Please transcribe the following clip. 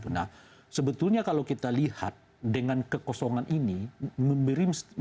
nah sebetulnya kalau kita lihat dengan kekosongan ini